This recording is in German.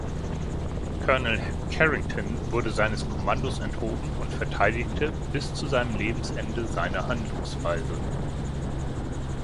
Colonel Carrington wurde seines Kommandos enthoben und verteidigte bis zu seinem Lebensende seine Handlungsweise.